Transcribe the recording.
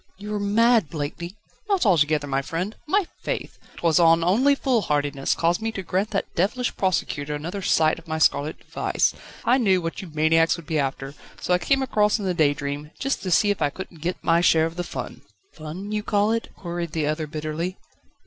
"You are mad, Blakeney!" "Not altogether, my friend. My faith! 'twas not only foolhardiness caused me to grant that devilish prosecutor another sight of my scarlet device. I knew what you maniacs would be after, so I came across in the _Daydream,_just to see if I couldn't get my share of the fun." "Fun, you call it?" queried the other bitterly.